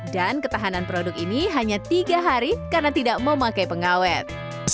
dan ketahanan produk ini hanya tiga hari karena tidak memakai pengawet